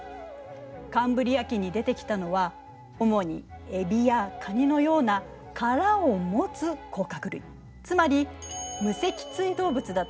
カンブリア紀に出てきたのは主にエビやカニのような殻を持つ甲殻類つまり無脊椎動物だったの。